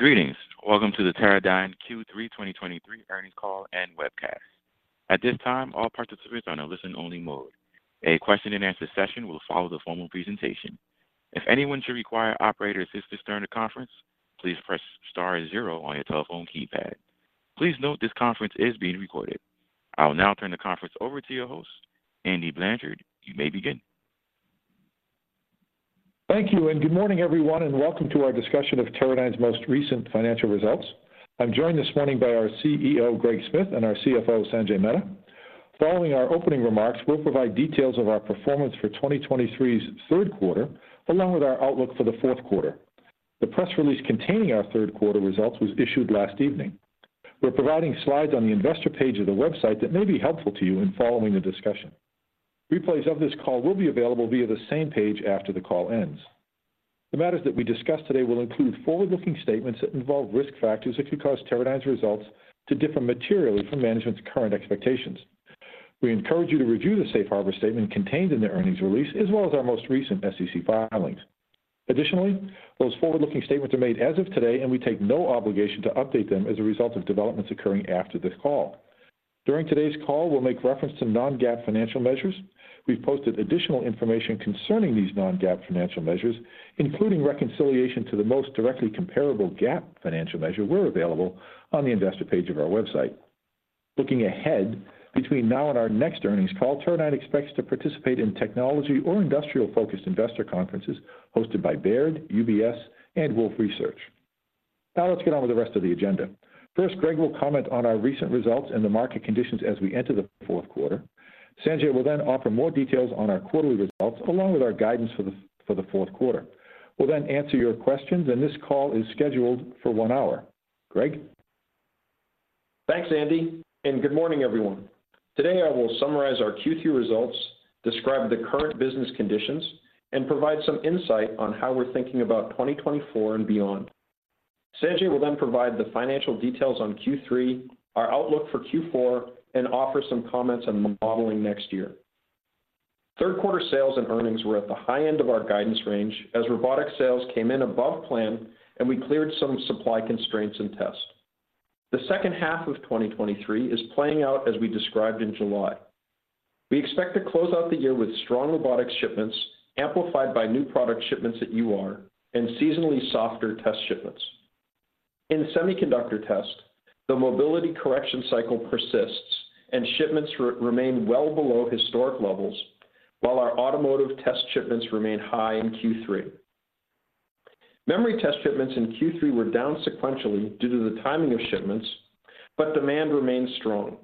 Greetings. Welcome to the Teradyne Q3 2023 earnings call and webcast. At this time, all participants are in a listen-only mode. A question-and-answer session will follow the formal presentation. If anyone should require operator assistance during the conference, please press star zero on your telephone keypad. Please note this conference is being recorded. I will now turn the conference over to your host, Andy Blanchard. You may begin. Thank you, and good morning, everyone, and welcome to our discussion of Teradyne's most recent financial results. I'm joined this morning by our CEO, Greg Smith, and our CFO, Sanjay Mehta. Following our opening remarks, we'll provide details of our performance for 2023's third quarter, along with our outlook for the fourth quarter. The press release containing our third quarter results was issued last evening. We're providing slides on the investor page of the website that may be helpful to you in following the discussion. Replays of this call will be available via the same page after the call ends. The matters that we discuss today will include forward-looking statements that involve risk factors that could cause Teradyne's results to differ materially from management's current expectations. We encourage you to review the safe harbor statement contained in the earnings release, as well as our most recent SEC filings. Additionally, those forward-looking statements are made as of today, and we take no obligation to update them as a result of developments occurring after this call. During today's call, we'll make reference to non-GAAP financial measures. We've posted additional information concerning these non-GAAP financial measures, including reconciliation to the most directly comparable GAAP financial measure, are available on the investor page of our website. Looking ahead, between now and our next earnings call, Teradyne expects to participate in technology or industrial-focused investor conferences hosted by Baird, UBS, and Wolfe Research. Now let's get on with the rest of the agenda. First, Greg will comment on our recent results and the market conditions as we enter the fourth quarter. Sanjay will then offer more details on our quarterly results, along with our guidance for the fourth quarter. We'll then answer your questions, and this call is scheduled for one hour. Greg? Thanks, Andy, and good morning, everyone. Today I will summarize our Q3 results, describe the current business conditions, and provide some insight on how we're thinking about 2024 and beyond. Sanjay will then provide the financial details on Q3, our outlook for Q4, and offer some comments on modeling next year. Third quarter sales and earnings were at the high end of our guidance range, as robotics sales came in above plan and we cleared some supply constraints in test. The second half of 2023 is playing out as we described in July. We expect to close out the year with strong robotics shipments, amplified by new product shipments at UR, and seasonally softer test shipments. In semiconductor test, the mobility correction cycle persists and shipments remain well below historic levels, while our automotive test shipments remain high in Q3. Memory test shipments in Q3 were down sequentially due to the timing of shipments, but demand remains strong.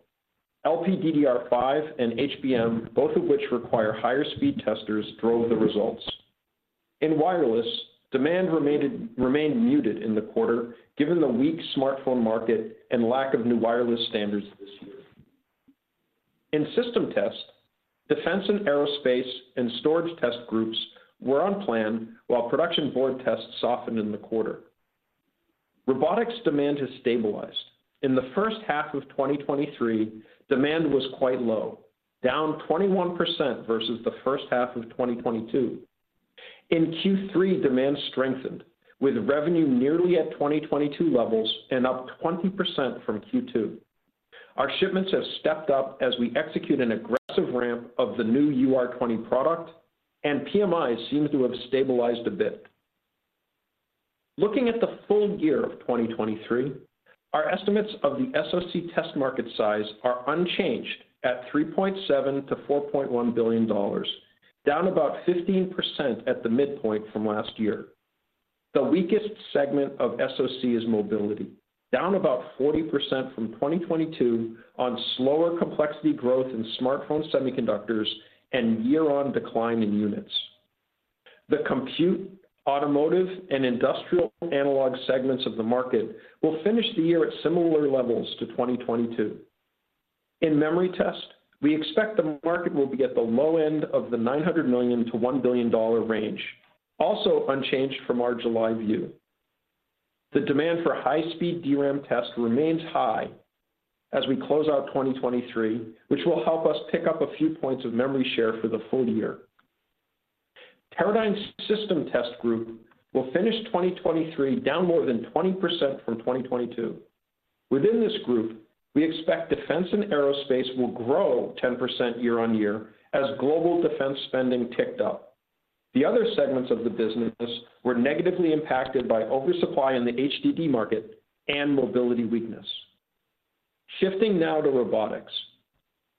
LPDDR5 and HBM, both of which require higher speed testers, drove the results. In wireless, demand remained muted in the quarter, given the weak smartphone market and lack of new wireless standards this year. In system test, defense and aerospace and storage test groups were on plan, while production board tests softened in the quarter. Robotics demand has stabilized. In the first half of 2023, demand was quite low, down 21% versus the first half of 2022. In Q3, demand strengthened, with revenue nearly at 2022 levels and up 20% from Q2. Our shipments have stepped up as we execute an aggressive ramp of the new UR20 product, and PMI seems to have stabilized a bit. Looking at the full year of 2023, our estimates of the SoC test market size are unchanged at $3.7 billion-$4.1 billion, down about 15% at the midpoint from last year. The weakest segment of SoC is mobility, down about 40% from 2022 on slower complexity growth in smartphone semiconductors and year-on decline in units. The compute, automotive, and industrial analog segments of the market will finish the year at similar levels to 2022. In memory test, we expect the market will be at the low end of the $900 million-$1 billion range, also unchanged from our July view. The demand for high-speed DRAM test remains high as we close out 2023, which will help us pick up a few points of memory share for the full year. Teradyne's system test group will finish 2023, down more than 20% from 2022. Within this group, we expect defense and aerospace will grow 10% year-over-year as global defense spending ticked up. The other segments of the business were negatively impacted by oversupply in the HDD market and mobility weakness. Shifting now to robotics.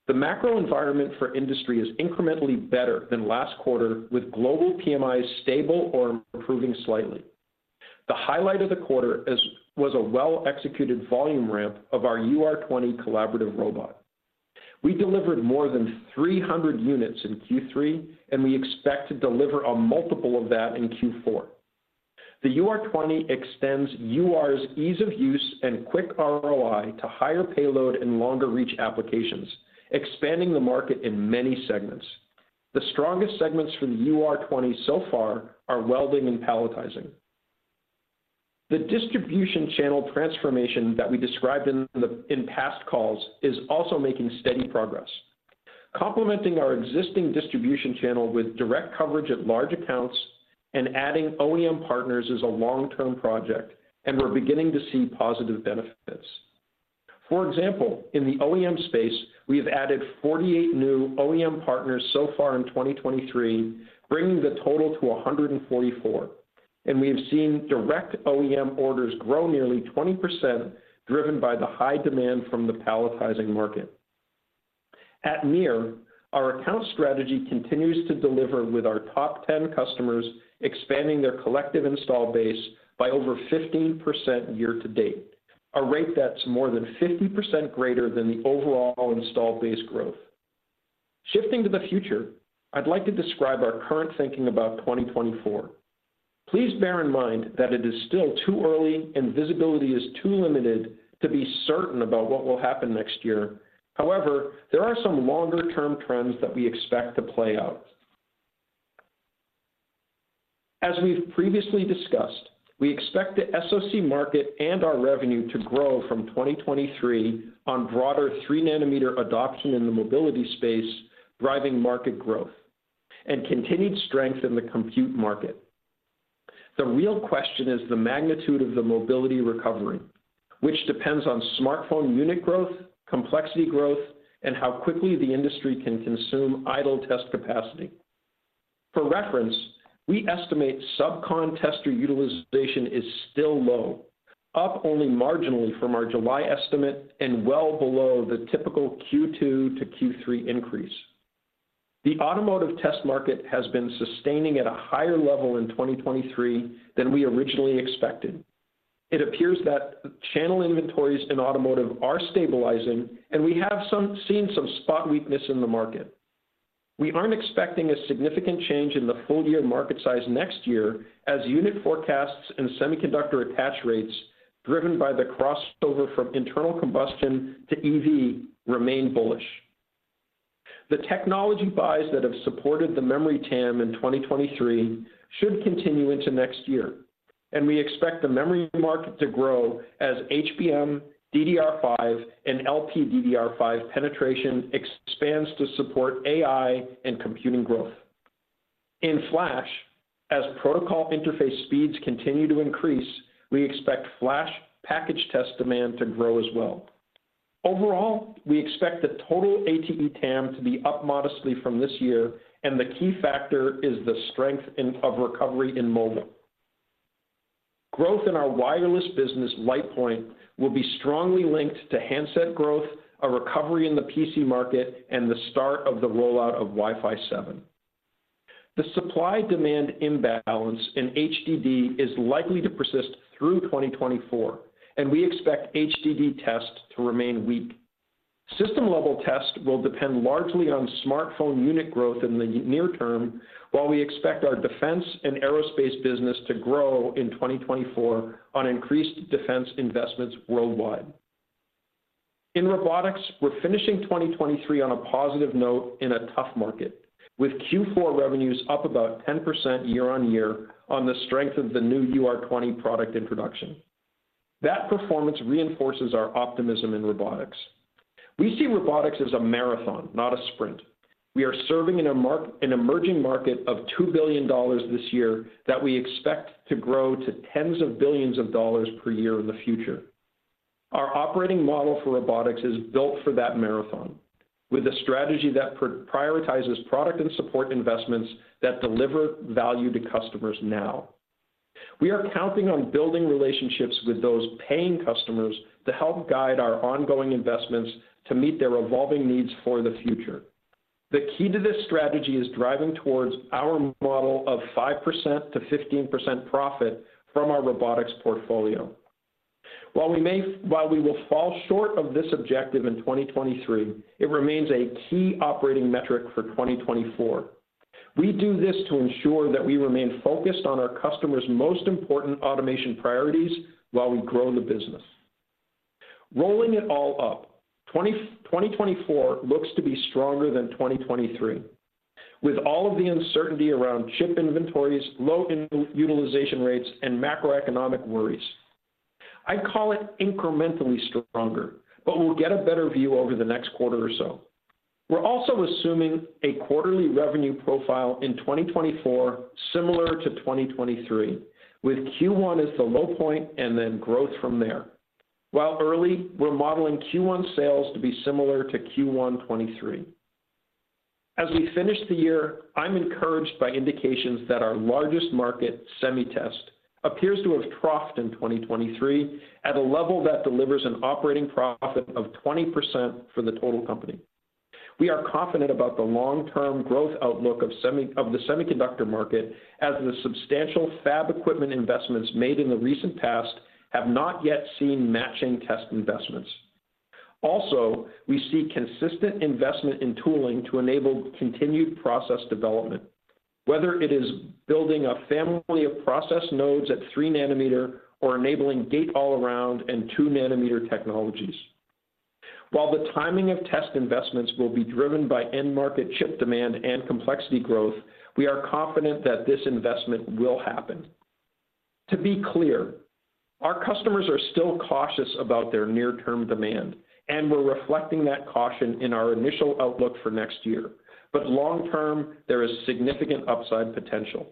The macro environment for industry is incrementally better than last quarter, with global PMIs stable or improving slightly. The highlight of the quarter is, was a well-executed volume ramp of our UR20 collaborative robot. We delivered more than 300 units in Q3, and we expect to deliver a multiple of that in Q4. The UR20 extends UR's ease of use and quick ROI to higher payload and longer reach applications, expanding the market in many segments. The strongest segments for the UR20 so far are welding and palletizing. The distribution channel transformation that we described in past calls is also making steady progress. Complementing our existing distribution channel with direct coverage at large accounts and adding OEM partners is a long-term project, and we're beginning to see positive benefits. For example, in the OEM space, we have added 48 new OEM partners so far in 2023, bringing the total to 144, and we have seen direct OEM orders grow nearly 20%, driven by the high demand from the palletizing market. At UR, our account strategy continues to deliver, with our top ten customers expanding their collective install base by over 15% year to date, a rate that's more than 50% greater than the overall install base growth. Shifting to the future, I'd like to describe our current thinking about 2024. Please bear in mind that it is still too early and visibility is too limited to be certain about what will happen next year. However, there are some longer-term trends that we expect to play out. As we've previously discussed, we expect the SoC market and our revenue to grow from 2023 on broader three-nanometer adoption in the mobility space, driving market growth and continued strength in the compute market. The real question is the magnitude of the mobility recovery, which depends on smartphone unit growth, complexity growth, and how quickly the industry can consume idle test capacity. For reference, we estimate subcon tester utilization is still low, up only marginally from our July estimate and well below the typical Q2 to Q3 increase. The automotive test market has been sustaining at a higher level in 2023 than we originally expected. It appears that channel inventories in automotive are stabilizing, and we have seen some spot weakness in the market. We aren't expecting a significant change in the full-year market size next year, as unit forecasts and semiconductor attach rates, driven by the crossover from internal combustion to EV, remain bullish. The technology buys that have supported the memory TAM in 2023 should continue into next year, and we expect the memory market to grow as HBM, DDR5, and LPDDR5 penetration expands to support AI and computing growth. In flash, as protocol interface speeds continue to increase, we expect flash package test demand to grow as well. Overall, we expect the total ATE TAM to be up modestly from this year, and the key factor is the strength in the recovery in mobile. Growth in our wireless business, LitePoint, will be strongly linked to handset growth, a recovery in the PC market, and the start of the rollout of Wi-Fi 7. The supply-demand imbalance in HDD is likely to persist through 2024, and we expect HDD test to remain weak. System-level test will depend largely on smartphone unit growth in the near term, while we expect our defense and aerospace business to grow in 2024 on increased defense investments worldwide. In robotics, we're finishing 2023 on a positive note in a tough market, with Q4 revenues up about 10% year-on-year on the strength of the new UR20 product introduction. That performance reinforces our optimism in robotics. We see robotics as a marathon, not a sprint. We are serving in a mark, an emerging market of $2 billion this year that we expect to grow to tens of billions dollars per year in the future. Our operating model for robotics is built for that marathon, with a strategy that prioritizes product and support investments that deliver value to customers now. We are counting on building relationships with those paying customers to help guide our ongoing investments to meet their evolving needs for the future. The key to this strategy is driving towards our model of 5%-15% profit from our robotics portfolio. While we will fall short of this objective in 2023, it remains a key operating metric for 2024. We do this to ensure that we remain focused on our customers' most important automation priorities while we grow the business. Rolling it all up, 2024 looks to be stronger than 2023, with all of the uncertainty around chip inventories, low utilization rates, and macroeconomic worries. I'd call it incrementally stronger, but we'll get a better view over the next quarter or so. We're also assuming a quarterly revenue profile in 2024, similar to 2023, with Q1 as the low point and then growth from there. While early, we're modeling Q1 sales to be similar to Q1 2023. As we finish the year, I'm encouraged by indications that our largest market, Semi-test, appears to have troughed in 2023 at a level that delivers an operating profit of 20% for the total company. We are confident about the long-term growth outlook of the semiconductor market, as the substantial fab equipment investments made in the recent past have not yet seen matching test investments. Also, we see consistent investment in tooling to enable continued process development, whether it is building a family of process nodes at 3 nm or enabling Gate-All-Around and 2 nm technologies. While the timing of test investments will be driven by end-market chip demand and complexity growth, we are confident that this investment will happen. To be clear, our customers are still cautious about their near-term demand, and we're reflecting that caution in our initial outlook for next year. But long term, there is significant upside potential.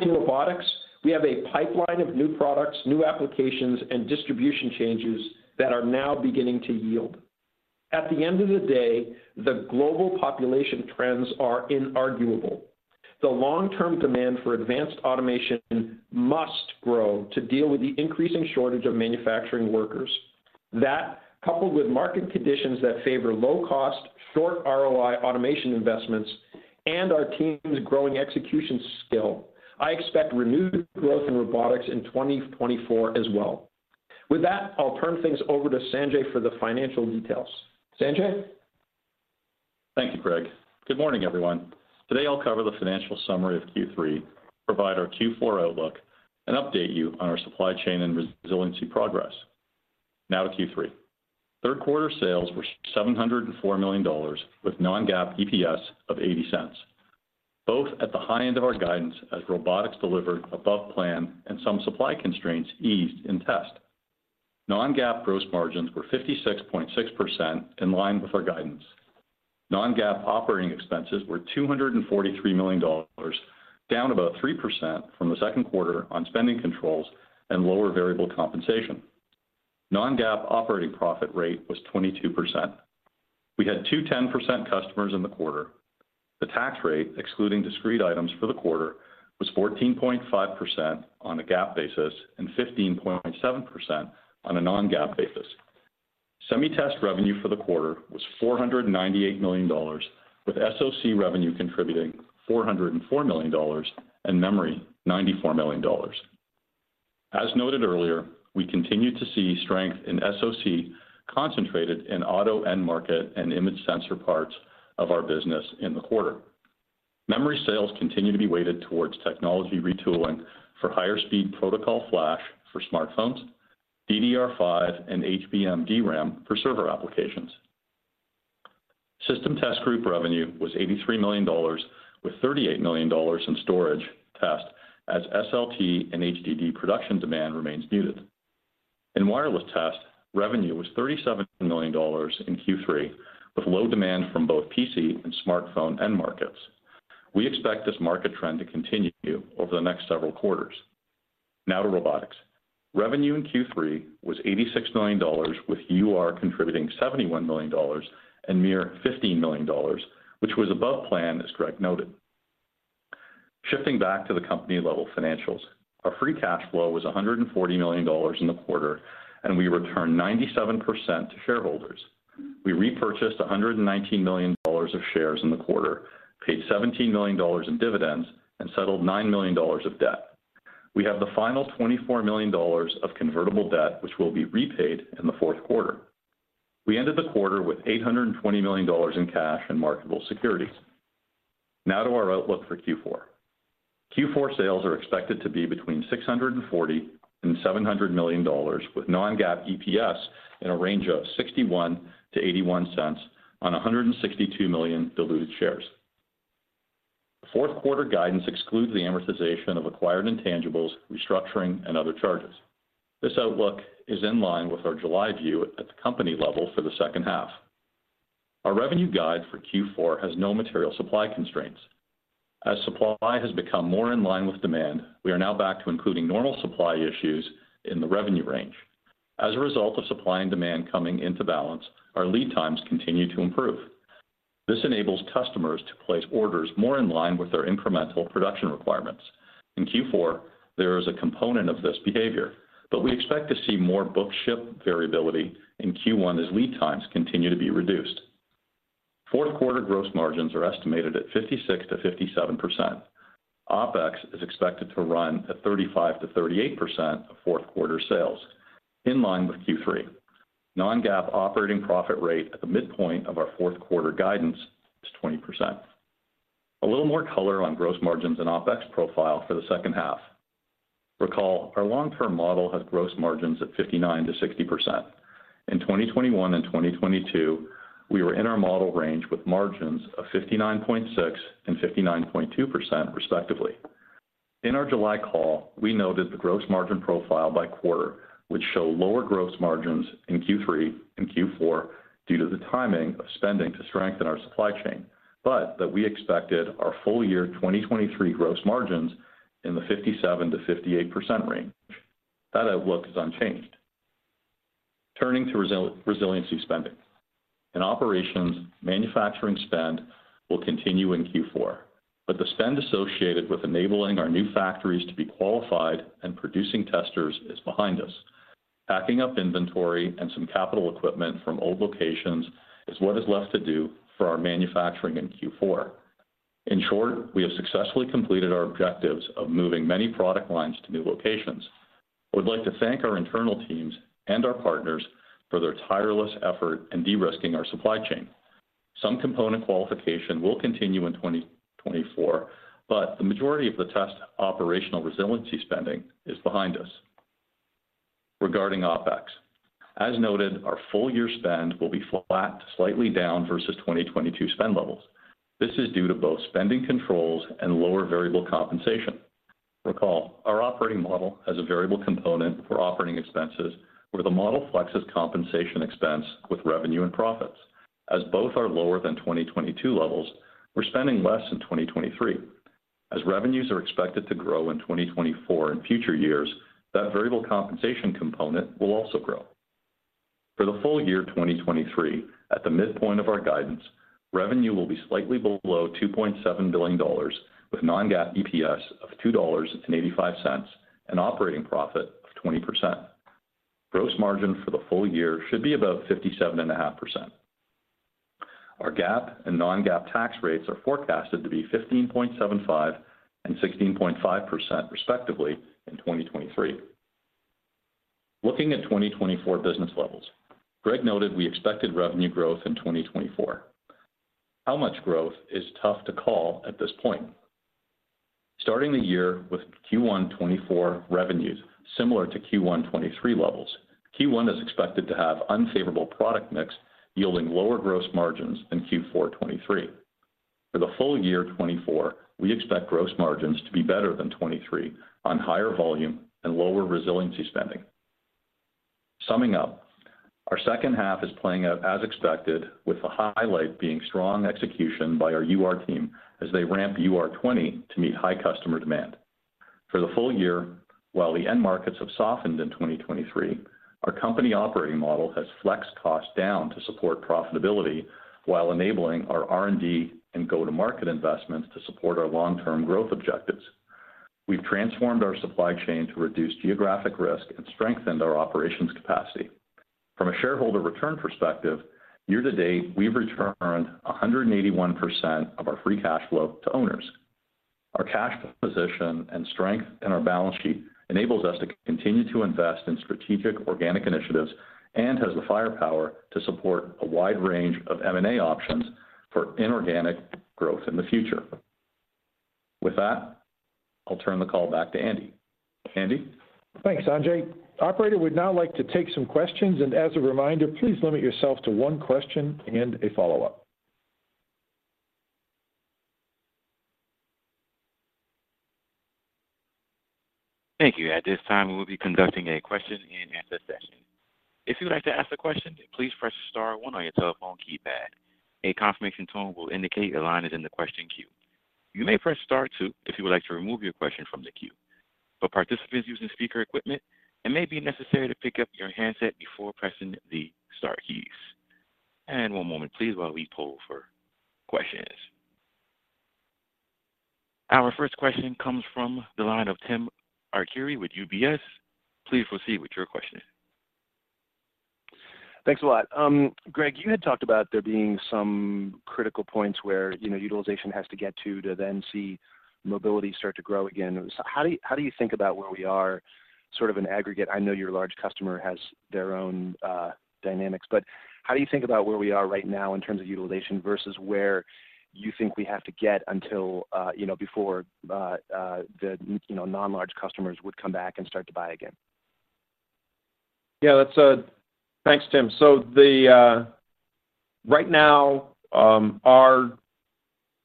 In robotics, we have a pipeline of new products, new applications, and distribution changes that are now beginning to yield. At the end of the day, the global population trends are inarguable. The long-term demand for advanced automation must grow to deal with the increasing shortage of manufacturing workers. That, coupled with market conditions that favor low cost, short ROI automation investments, and our team's growing execution skill, I expect renewed growth in robotics in 2024 as well. With that, I'll turn things over to Sanjay for the financial details. Sanjay? Thank you, Greg. Good morning, everyone. Today, I'll cover the financial summary of Q3, provide our Q4 outlook, and update you on our supply chain and resiliency progress. Now to Q3. Third quarter sales were $704 million, with non-GAAP EPS of $0.80, both at the high end of our guidance as robotics delivered above plan and some supply constraints eased in test. Non-GAAP gross margins were 56.6%, in line with our guidance. Non-GAAP operating expenses were $243 million, down about 3% from the second quarter on spending controls and lower variable compensation. Non-GAAP operating profit rate was 22%. We had two 10% customers in the quarter. The tax rate, excluding discrete items for the quarter, was 14.5% on a GAAP basis and 15.7% on a non-GAAP basis. Semi-test revenue for the quarter was $498 million, with SOC revenue contributing $404 million, and memory, $94 million. As noted earlier, we continued to see strength in SOC, concentrated in auto end market and image sensor parts of our business in the quarter. Memory sales continue to be weighted towards technology retooling for higher speed protocol flash for smartphones, DDR5, and HBM DRAM for server applications. System test group revenue was $83 million, with $38 million in storage test, as SLT and HDD production demand remains muted. In wireless test, revenue was $37 million in Q3, with low demand from both PC and smartphone end markets. We expect this market trend to continue over the next several quarters. Now to robotics. Revenue in Q3 was $86 million, with UR contributing $71 million and MiR $15 million, which was above plan, as Greg noted. Shifting back to the company-level financials, our free cash flow was $140 million in the quarter, and we returned 97% to shareholders. We repurchased $119 million of shares in the quarter, paid $17 million in dividends, and settled $9 million of debt. We have the final $24 million of convertible debt, which will be repaid in the fourth quarter. We ended the quarter with $820 million in cash and marketable securities. Now to our outlook for Q4. Q4 sales are expected to be between $640 million and $700 million, with non-GAAP EPS in a range of $0.61-$0.81 on 162 million diluted shares. Fourth quarter guidance excludes the amortization of acquired intangibles, restructuring, and other charges. This outlook is in line with our July view at the company level for the second half. Our revenue guide for Q4 has no material supply constraints. As supply has become more in line with demand, we are now back to including normal supply issues in the revenue range. As a result of supply and demand coming into balance, our lead times continue to improve. This enables customers to place orders more in line with their incremental production requirements. In Q4, there is a component of this behavior, but we expect to see more book ship variability in Q1 as lead times continue to be reduced. Fourth quarter gross margins are estimated at 56%-57%. OpEx is expected to run at 35%-38% of fourth quarter sales, in line with Q3. Non-GAAP operating profit rate at the midpoint of our fourth quarter guidance is 20%. A little more color on gross margins and OpEx profile for the second half. Recall, our long-term model has gross margins at 59% to 60%. In 2021 and 2022, we were in our model range with margins of 59.6% and 59.2%, respectively. In our July call, we noted the gross margin profile by quarter, which show lower gross margins in Q3 and Q4 due to the timing of spending to strengthen our supply chain, but that we expected our full year 2023 gross margins in the 57%-58% range. That outlook is unchanged. Turning to resiliency spending. In operations, manufacturing spend will continue in Q4, but the spend associated with enabling our new factories to be qualified and producing testers is behind us. Packing up inventory and some capital equipment from old locations is what is left to do for our manufacturing in Q4. In short, we have successfully completed our objectives of moving many product lines to new locations. I would like to thank our internal teams and our partners for their tireless effort in de-risking our supply chain. Some component qualification will continue in 2024, but the majority of the test operational resiliency spending is behind us regarding OpEx. As noted, our full year spend will be flat to slightly down versus 2022 spend levels. This is due to both spending controls and lower variable compensation. Recall, our operating model has a variable component for operating expenses, where the model flexes compensation expense with revenue and profits. As both are lower than 2022 levels, we're spending less in 2023. As revenues are expected to grow in 2024 and future years, that variable compensation component will also grow. For the full year 2023, at the midpoint of our guidance, revenue will be slightly below $2.7 billion, with non-GAAP EPS of $2.85, an operating profit of 20%. Gross margin for the full year should be about 57.5%. Our GAAP and non-GAAP tax rates are forecasted to be 15.75% and 16.5%, respectively, in 2023. Looking at 2024 business levels, Greg noted we expected revenue growth in 2024. How much growth is tough to call at this point. Starting the year with Q1 2024 revenues, similar to Q1 2023 levels, Q1 is expected to have unfavorable product mix, yielding lower gross margins than Q4 2023. For the full year 2024, we expect gross margins to be better than 2023 on higher volume and lower resiliency spending. Summing up, our second half is playing out as expected, with the highlight being strong execution by our UR team as they ramp UR20 to meet high customer demand. For the full year, while the end markets have softened in 2023, our company operating model has flexed costs down to support profitability while enabling our R&D and go-to-market investments to support our long-term growth objectives. We've transformed our supply chain to reduce geographic risk and strengthened our operations capacity. From a shareholder return perspective, year to date, we've returned 181% of our free cash flow to owners. Our cash position and strength in our balance sheet enables us to continue to invest in strategic organic initiatives and has the firepower to support a wide range of M&A options for inorganic growth in the future. With that, I'll turn the call back to Andy. Andy? Thanks, Andy. Operator, we'd now like to take some questions, and as a reminder, please limit yourself to one question and a follow-up. Thank you. At this time, we will be conducting a question-and-answer session. If you would like to ask a question, please press star one on your telephone keypad. A confirmation tone will indicate your line is in the question queue. You may press star two if you would like to remove your question from the queue. For participants using speaker equipment, it may be necessary to pick up your handset before pressing the star keys. And one moment, please, while we poll for questions. Our first question comes from the line of Tim Arcuri with UBS. Please proceed with your question. Thanks a lot. Greg, you had talked about there being some critical points where, you know, utilization has to get to, to then see mobility start to grow again. So how do, how do you think about where we are, sort of in aggregate? I know your large customer has their own dynamics, but how do you think about where we are right now in terms of utilization versus where you think we have to get until, you know, before the, you know, non-large customers would come back and start to buy again? Yeah, that's thanks, Tim. So, right now,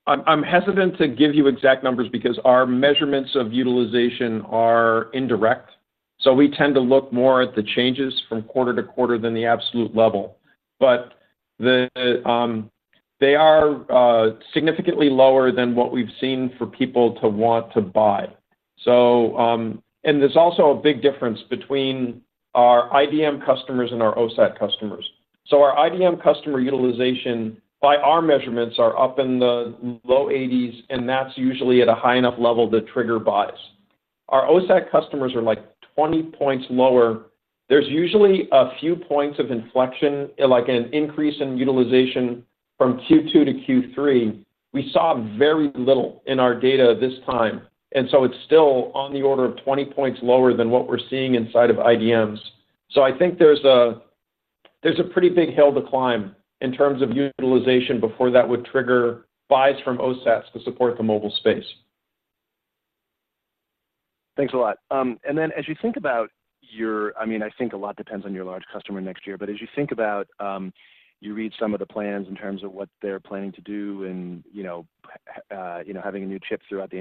I'm hesitant to give you exact numbers because our measurements of utilization are indirect, so we tend to look more at the changes from quarter to quarter than the absolute level. But, they are significantly lower than what we've seen for people to want to buy. So, and there's also a big difference between our IDM customers and our OSAT customers. So, our IDM customer utilization by our measurements, are up in the low eighties, and that's usually at a high enough level to trigger buys. Our OSAT customers are like, 20 points lower. There's usually a few points of inflection, like an increase in utilization from Q2 to Q3. We saw very little in our data this time, and so it's still on the order of 20 points lower than what we're seeing inside of IDMs. So I think there's a, there's a pretty big hill to climb in terms of utilization before that would trigger buys from OSATs to support the mobile space. Thanks a lot. And then as you think about your, I mean, I think a lot depends on your large customer next year, but as you think about, you read some of the plans in terms of what they're planning to do and, you know, you know, having a new chip throughout the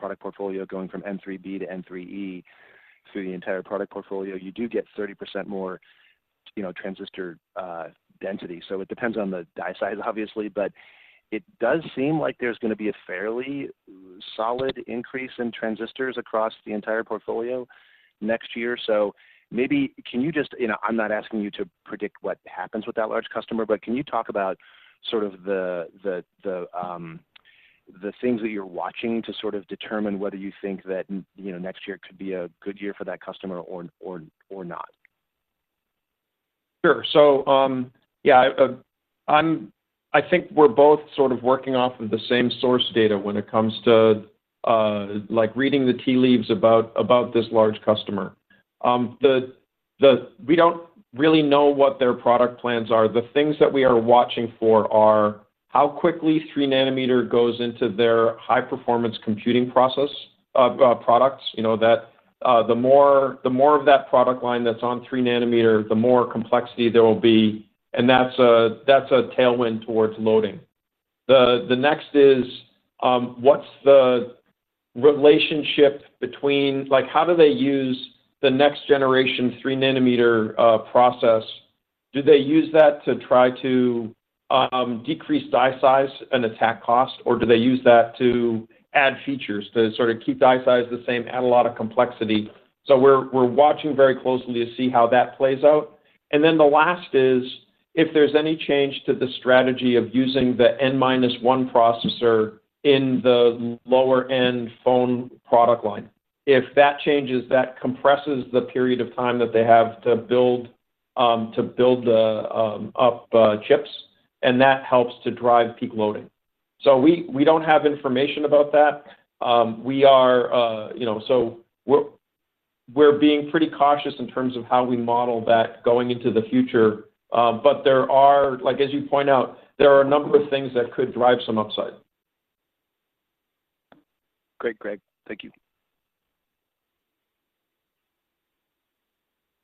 entire product portfolio, going from N3B to N3E through the entire product portfolio, you do get 30% more, you know, transistor density. So it depends on the die size, obviously, but it does seem like there's going to be a fairly solid increase in transistors across the entire portfolio next year. So, maybe can you just, you know, I'm not asking you to predict what happens with that large customer, but can you talk about sort of the things that you're watching to sort of determine whether you think that, you know, next year could be a good year for that customer or not? Sure. So, yeah, I think we're both sort of working off of the same source data when it comes to like reading the tea leaves about this large customer. We don't really know what their product plans are. The things that we are watching for are how quickly 3 nm goes into their high-performance computing process, products. You know, that, the more, the more of that product line that's on 3 nm, the more complexity there will be, and that's a, that's a tailwind towards loading. The, the next is, what's the relationship between, like, how do they use the next-generation 3 nm, process? Do they use that to try to, decrease die size and attack cost, or do they use that to add features, to sort of keep die size the same, add a lot of complexity? So we're, we're watching very closely to see how that plays out. And then the last is, if there's any change to the strategy of using the N-minus one processor in the lower-end phone product line. If that changes, that compresses the period of time that they have to build the chips, and that helps to drive peak loading. So we don't have information about that. We are, you know, so we're being pretty cautious in terms of how we model that going into the future. But there are, like, as you point out, there are a number of things that could drive some upside. Great, Greg. Thank you.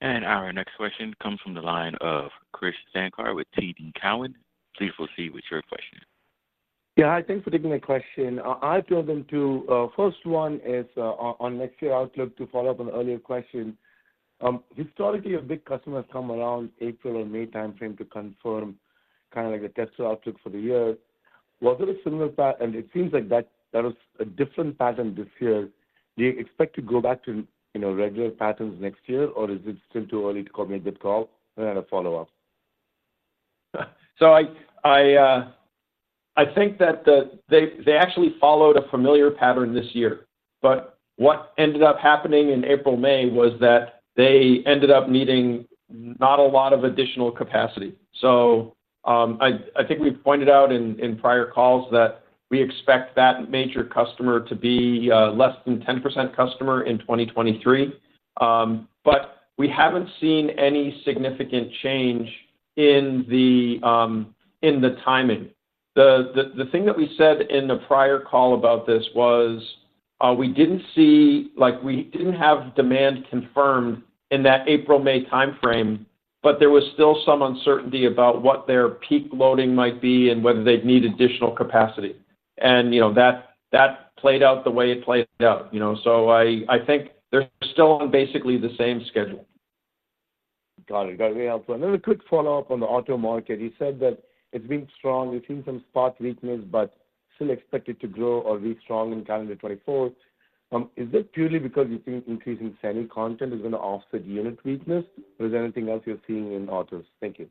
Our next question comes from the line of Krish Sankar with TD Cowen. Please proceed with your question. Yeah, hi. Thanks for taking my question. I have two of them too. First one is on next year outlook, to follow up on the earlier question. Historically, your big customers come around April or May timeframe to confirm, kind of like, the tester outlook for the year. Was it a similar path? And it seems like that there was a different pattern this year. Do you expect to go back to, you know, regular patterns next year, or is it still too early to call, make that call? And then I had a follow-up. So I think that they actually followed a familiar pattern this year, but what ended up happening in April, May was that they ended up needing not a lot of additional capacity. So I think we've pointed out in prior calls that we expect that major customer to be less than 10% customer in 2023. But we haven't seen any significant change in the timing. The thing that we said in the prior call about this was we didn't see, like we didn't have demand confirmed in that April-May timeframe, but there was still some uncertainty about what their peak loading might be and whether they'd need additional capacity. And you know that played out the way it played out, you know. So I think they're still on basically the same schedule. Got it. Got it. Very helpful. Then a quick follow-up on the auto market. You said that it's been strong. You've seen some spot weakness, but still expect it to grow or be strong in calendar 2024. Is that purely because you think increasing semi content is going to offset unit weakness, or is there anything else you're seeing in autos? Thank you.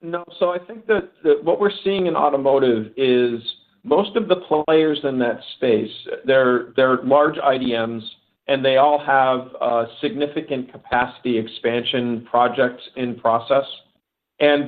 No. So I think that what we're seeing in automotive is most of the players in that space. They're large IDMs, and they all have significant capacity expansion projects in process. And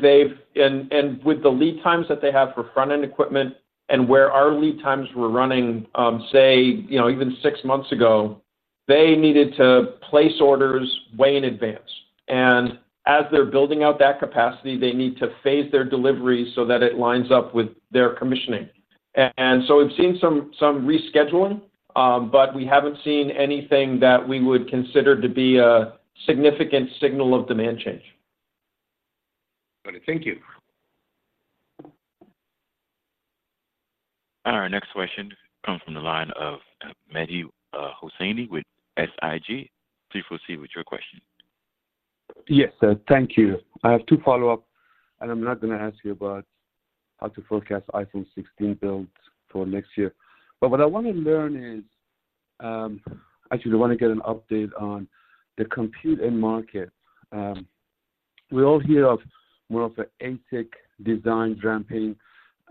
with the lead times that they have for front-end equipment and where our lead times were running, say, you know, even six months ago, they needed to place orders way in advance. And as they're building out that capacity, they need to phase their deliveries so that it lines up with their commissioning. And so we've seen some rescheduling, but we haven't seen anything that we would consider to be a significant signal of demand change. Got it. Thank you. Our next question comes from the line of Mehdi Hosseini with SIG. Please proceed with your question. Yes, sir. Thank you. I have two follow-up, and I'm not going to ask you about how to forecast iPhone 16 builds for next year. But what I want to learn is, actually, Actually, I want to get an update on the compute end market. We all hear of more of the ASIC design ramping,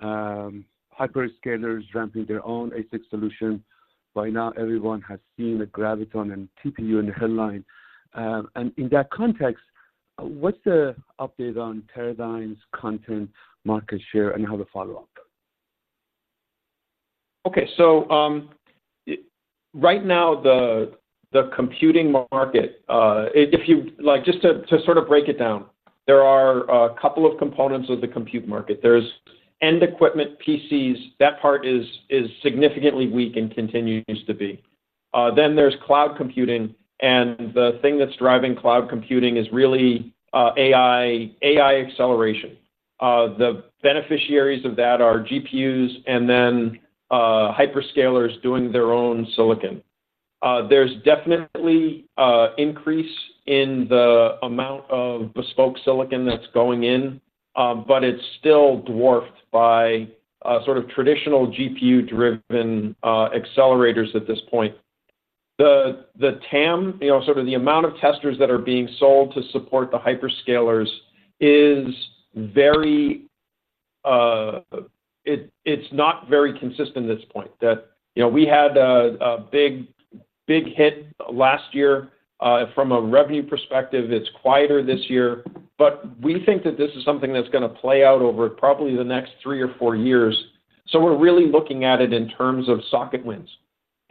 hyperscalers ramping their own ASIC solution. By now, everyone has seen the Graviton and TPU in the headline. And in that context, what's the update on Paradigms' content, market share, and I have a follow-up? Okay. So, it right now, the computing market, if you like, just to sort of break it down, there are a couple of components of the compute market. There's end equipment, PCs, that part is significantly weak and continues to be. Then there's cloud computing, and the thing that's driving cloud computing is really AI, AI acceleration. The beneficiaries of that are GPUs and then hyperscalers doing their own silicon. There's definitely a increase in the amount of bespoke silicon that's going in, but it's still dwarfed by a sort of traditional GPU-driven accelerators at this point. The TAM, you know, sort of the amount of testers that are being sold to support the hyperscalers is very. It, it's not very consistent at this point. That, you know, we had a big, big hit last year. From a revenue perspective, it's quieter this year, but we think that this is something that's going to play out over probably the next three or four years. So we're really looking at it in terms of socket wins.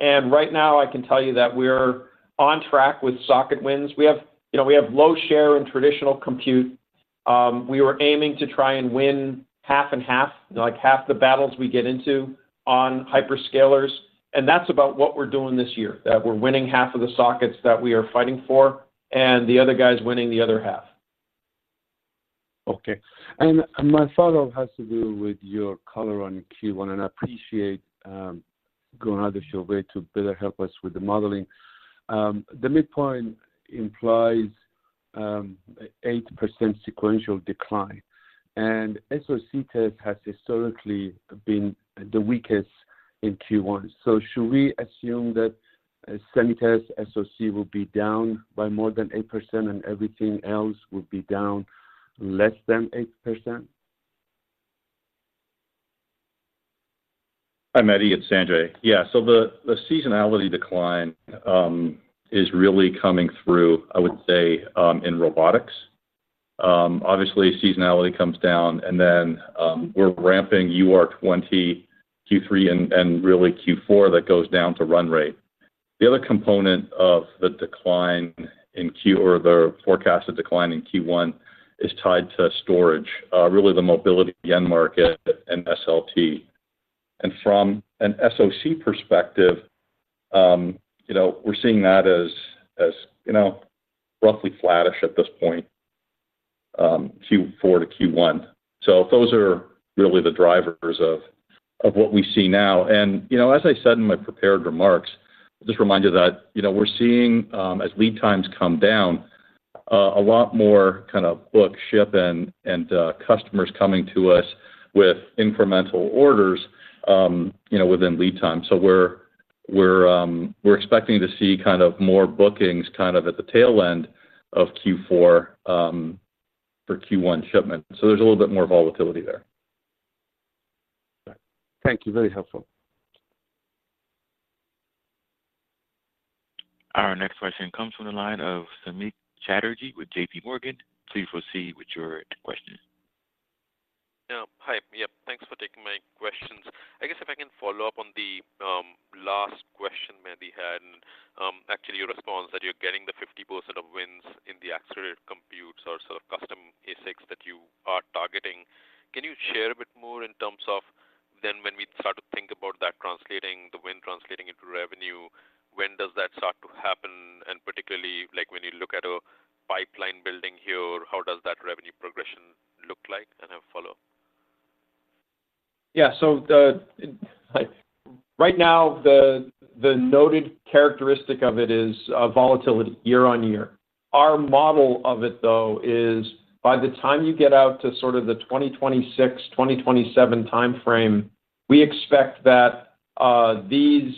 And right now, I can tell you that we're on track with socket wins. We have, you know, we have low share in traditional compute. We were aiming to try and win half and half, like half the battles we get into on hyperscalers, and that's about what we're doing this year. That we're winning half of the sockets that we are fighting for, and the other guy is winning the other half. Okay. My follow-up has to do with your color on Q1, and I appreciate going out of your way to better help us with the modeling. The midpoint implies 8% sequential decline, and SoC test has historically been the weakest in Q1. So should we assume that semi-test SoC will be down by more than 8%, and everything else will be down less than 8%? Hi, Mehdi, it's Sanjay. Yeah, so the seasonality decline is really coming through, I would say, in robotics. Obviously, seasonality comes down, and then we're ramping UR20 Q3 and really Q4, that goes down to run rate. The other component of the decline in Q1 or the forecasted decline in Q1 is tied to storage, really the mobility end market and SLT. And from a SoC perspective, you know, we're seeing that as, you know, roughly flattish at this point, Q4 to Q1. So those are really the drivers of what we see now. You know, as I said in my prepared remarks, just remind you that, you know, we're seeing, as lead times come down, a lot more kind of book, ship, and customers coming to us with incremental orders, you know, within lead time. So we're expecting to see kind of more bookings, kind of at the tail end of Q4, for Q1 shipment. So there's a little bit more volatility there. Thank you. Very helpful. Our next question comes from the line of Samik Chatterjee with JP Morgan. Please proceed with your question. Yeah. Hi. Yep, thanks for taking my questions. I guess if I can follow up on the last question Mehdi had, and actually your response, that you're getting the 50% of wins in the accelerated compute or sort of custom ASICs that you are targeting. Can you share a bit more in terms of then when we start to think about that translating, the win translating into revenue, when does that start to happen? And particularly, like when you look at a pipeline building here, how does that revenue progression look like? And I have follow-up. Yeah. So right now, the noted characteristic of it is volatility year-on-year. Our model of it, though, is by the time you get out to sort of the 2026, 2027 time frame, we expect that these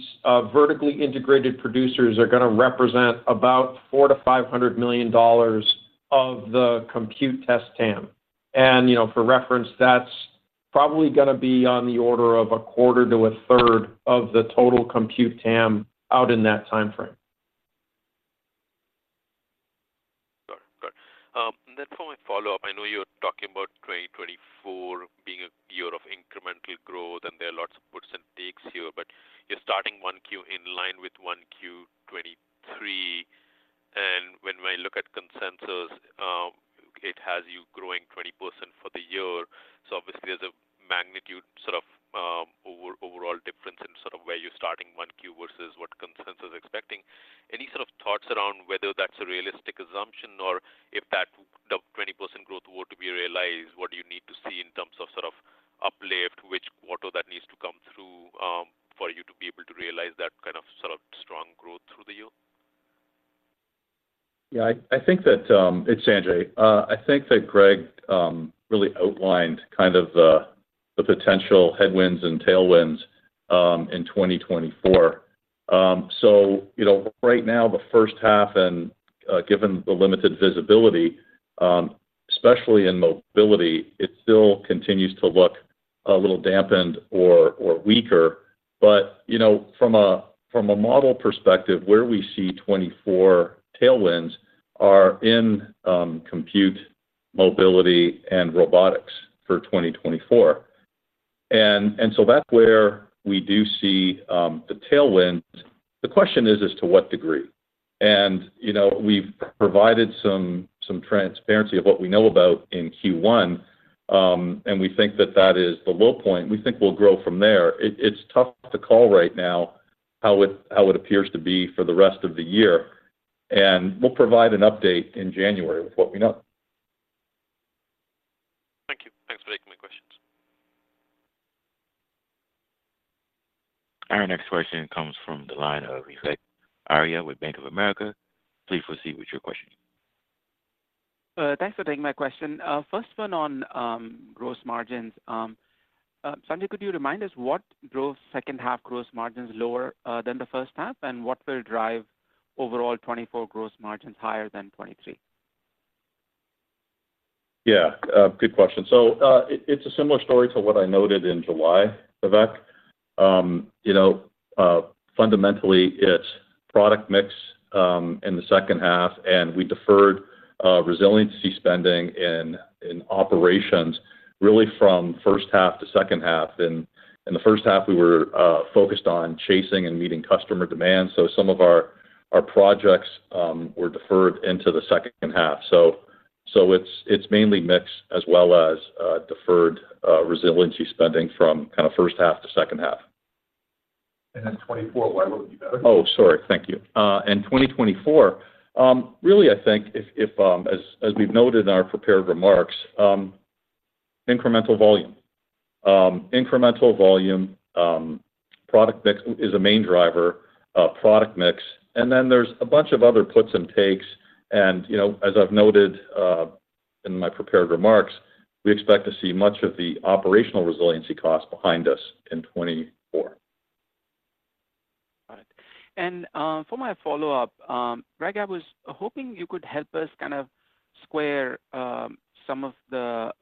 vertically integrated producers are gonna represent about $400 million-$500 million of the compute test TAM. And, you know, for reference, that's probably gonna be on the order of a quarter to a third of the total compute TAM out in that time frame. Got it. Got it. And then for my follow-up, I know you're talking about 2024 being a year of incremental growth, and there are lots of puts and takes here, but you're starting 1Q in line with 1Q-2023, and when we look at consensus, it has you growing 20% for the year. So obviously, there's a magnitude sort of overall difference in sort of where you're starting 1Q versus what consensus is expecting. Any sort of thoughts around whether that's a realistic assumption, or if the 20% growth were to be realized, what do you need to see in terms of sort of uplift, which quarter that needs to come through, for you to be able to realize that kind of sort of strong growth through the year? Yeah, I think that... It's Sanjay. I think that Greg really outlined kind of the potential headwinds and tailwinds in 2024. So you know, right now, the first half and, given the limited visibility, especially in mobility, it still continues to look a little dampened or weaker. But you know, from a model perspective, where we see 2024 tailwinds are in compute, mobility, and robotics for 2024. And so that's where we do see the tailwinds. The question is, as to what degree? And you know, we've provided some transparency of what we know about in Q1, and we think that that is the low point. We think we'll grow from there. It's tough to call right now how it appears to be for the rest of the year, and we'll provide an update in January with what we know. Thank you. Thanks for taking my questions. Our next question comes from the line of Vivek Arya with Bank of America. Please proceed with your question. Thanks for taking my question. First one on gross margins. Sanjay, could you remind us what drove second half gross margins lower than the first half? And what will drive overall 2024 gross margins higher than 2023? Yeah, good question. So, it's a similar story to what I noted in July, Vivek. You know, fundamentally, it's product mix in the second half, and we deferred resiliency spending in operations really from first half to second half. And in the first half, we were focused on chasing and meeting customer demand. So, some of our projects were deferred into the second half. So, it's mainly mix as well as deferred resiliency spending from kind of first half to second half. Then 2024, why would it be better? Thank you. In 2024, really, I think if, as we've noted in our prepared remarks, incremental volume. Incremental volume, product mix is a main driver, product mix, and then there's a bunch of other puts and takes and, you know, as I've noted, in my prepared remarks, we expect to see much of the operational resiliency cost behind us in 2024. All right. For my follow-up, Greg, I was hoping you could help us kind of square some of the,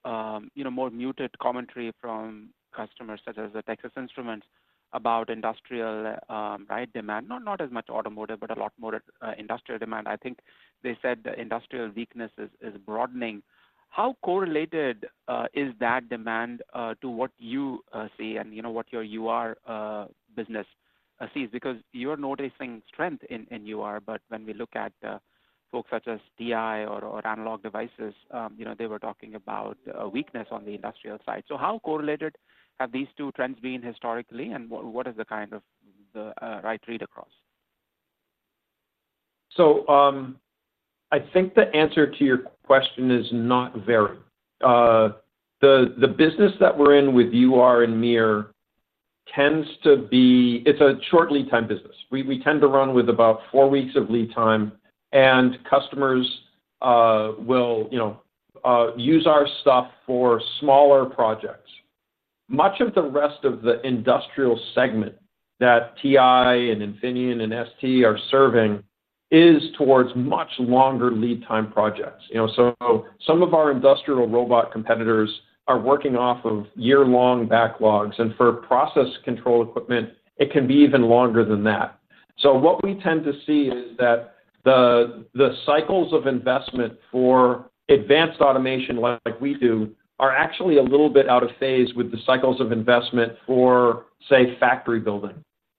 you know, more muted commentary from customers, such as Texas Instruments, about industrial, right, demand. Not as much automotive, but a lot more industrial demand. I think they said the industrial weakness is broadening. How correlated is that demand to what you see, and you know, what your UR business sees? Because you're noticing strength in UR, but when we look at folks such as TI or Analog Devices, you know, they were talking about a weakness on the industrial side. So how correlated have these two trends been historically, and what is the kind of the right read across? So, I think the answer to your question is not very. The business that we're in with UR and MiR tends to be... It's a short lead time business. We tend to run with about four weeks of lead time, and customers will, you know, use our stuff for smaller projects. Much of the rest of the industrial segment that TI and Infineon and ST are serving is towards much longer lead time projects. You know, so some of our industrial robot competitors are working off of year-long backlogs, and for process control equipment, it can be even longer than that. So what we tend to see is that the cycles of investment for advanced automation like we do are actually a little bit out of phase with the cycles of investment for, say, factory building.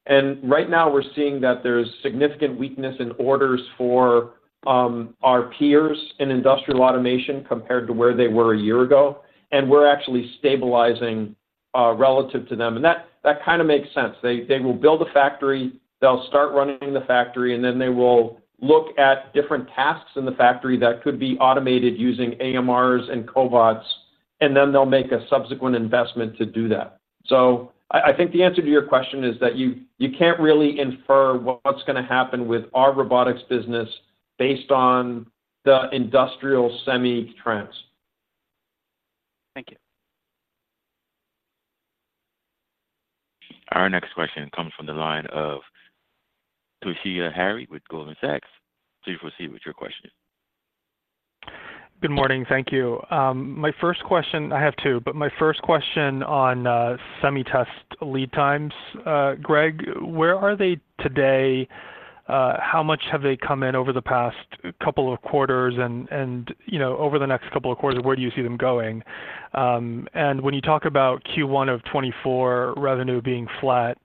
Right now we're seeing that there's significant weakness in orders for our peers in industrial automation compared to where they were a year ago, and we're actually stabilizing relative to them. And that kind of makes sense. They will build a factory, they'll start running the factory, and then they will look at different tasks in the factory that could be automated using AMRs and cobots, and then they'll make a subsequent investment to do that. So I think the answer to your question is that you can't really infer what's going to happen with our robotics business based on the industrial semi trends. Thank you. Our next question comes from the line of Toshiya Hari with Goldman Sachs. Please proceed with your question. Good morning. Thank you. My first question, I have two, but my first question on semi-test lead times. Greg, where are they today? How much have they come in over the past couple of quarters? And you know, over the next couple of quarters, where do you see them going? And when you talk about Q1 of 2024 revenue being flat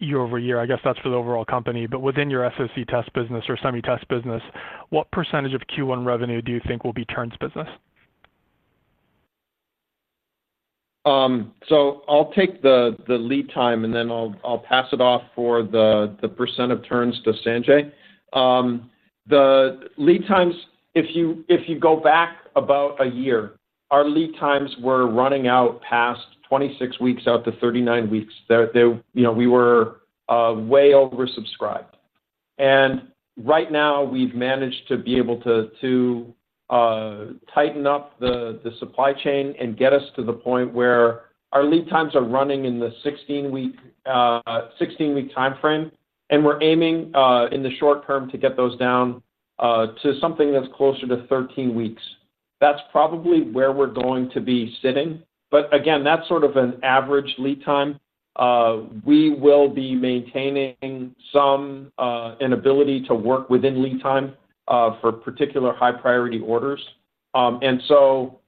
year-over-year, I guess that's for the overall company, but within your SoC test business or semi-test business, what percentage of Q1 revenue do you think will be turns business? So I'll take the lead time, and then I'll pass it off for the percent of turns to Sanjay. The lead times, if you go back about a year, our lead times were running out past 26 weeks out to 39 weeks. They're. You know, we were way oversubscribed. And right now we've managed to be able to tighten up the supply chain and get us to the point where our lead times are running in the 16-week time frame, and we're aiming in the short term to get those down to something that's closer to 13 weeks. That's probably where we're going to be sitting, but again, that's sort of an average lead time. We will be maintaining some inability to work within lead time for particular high priority orders. And so,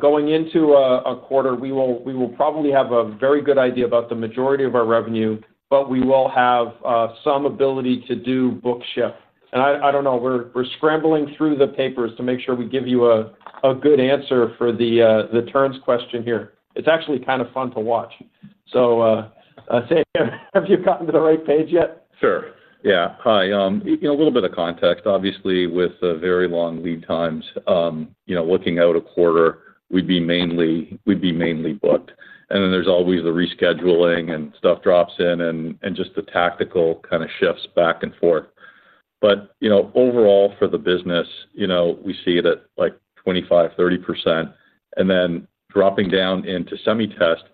going into a quarter, we will probably have a very good idea about the majority of our revenue, but we will have some ability to do book ship. And I don't know, we're scrambling through the papers to make sure we give you a good answer for the turns question here. It's actually kind of fun to watch. So, Sanjay, have you gotten to the right page yet? Sure. Yeah. Hi, you know, a little bit of context, obviously, with the very long lead times, you know, looking out a quarter, we'd be mainly, we'd be mainly booked, and then there's always the rescheduling and stuff drops in and, and just the tactical kind of shifts back and forth. But, you know, overall for the business, you know, we see it at, like, 25-30%, and then dropping down into semi-test,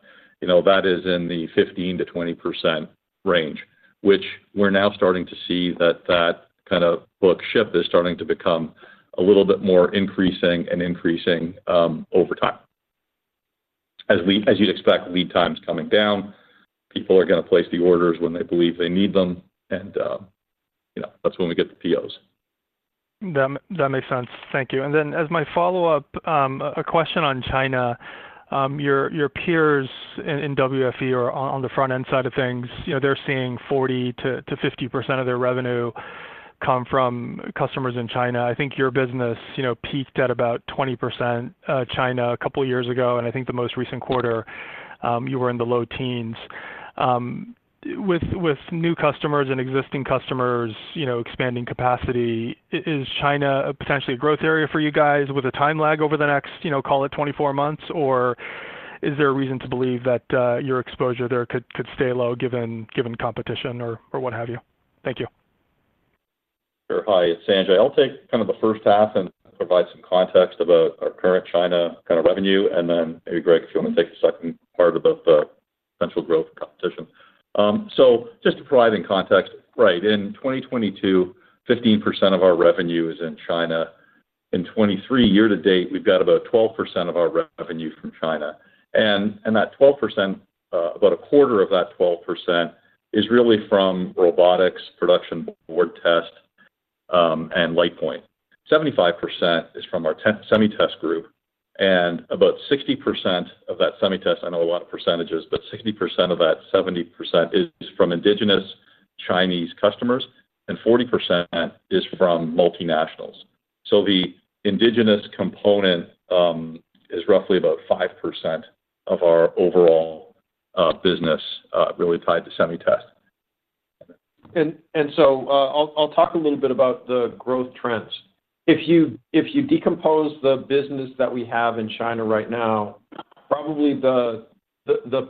you know, that is in the 15%-20% range, which we're now starting to see that that kind of book ship is starting to become a little bit more increasing and increasing, over time.... as we, as you'd expect, lead times coming down, people are going to place the orders when they believe they need them, and, you know, that's when we get the POs. That makes sense. Thank you. And then, as my follow-up, a question on China. Your peers in WFE or on the front-end side of things, you know, they're seeing 40%-50% of their revenue come from customers in China. I think your business, you know, peaked at about 20% China a couple of years ago, and I think the most recent quarter, you were in the low teens. With new customers and existing customers, you know, expanding capacity, is China potentially a growth area for you guys with a time lag over the next, you know, call it 24 months? Or is there a reason to believe that your exposure there could stay low, given competition or what have you? Thank you. Sure. Hi, it's Sanjay. I'll take kind of the first half and provide some context about our current China kind of revenue, and then maybe, Greg, if you want to take the second part about the potential growth competition. So just to provide in context, right, in 2022, 15% of our revenue is in China. In 2023, year to date, we've got about 12% of our revenue from China. And that 12%, about a quarter of that 12% is really from robotics, production board test, and LitePoint. 75% is from our semi-test group, and about 60% of that semi-test, I know a lot of percentages, but 60% of that 70% is from indigenous Chinese customers, and 40% is from multinationals. The indigenous component is roughly about 5% of our overall business, really tied to semi-test. I'll talk a little bit about the growth trends. If you decompose the business that we have in China right now, probably the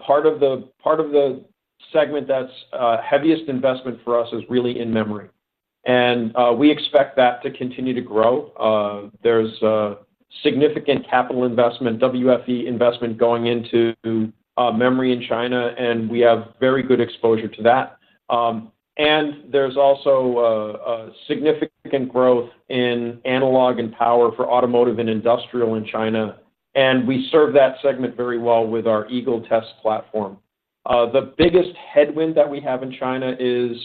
part of the segment that's heaviest investment for us is really in memory, and we expect that to continue to grow. There's a significant capital investment, WFE investment going into memory in China, and we have very good exposure to that. And there's also a significant growth in analog and power for automotive and industrial in China, and we serve that segment very well with our Eagle test platform. The biggest headwind that we have in China is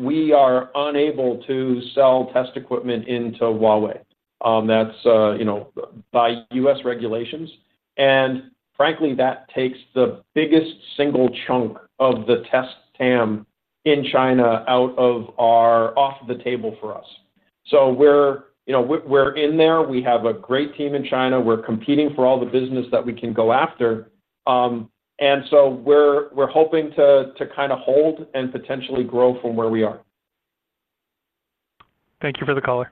we are unable to sell test equipment into Huawei. That's you know, by U.S. regulations. Frankly, that takes the biggest single chunk of the test TAM in China off the table for us. So we're, you know, in there. We have a great team in China. We're competing for all the business that we can go after. And so we're hoping to kind of hold and potentially grow from where we are. Thank you for the color.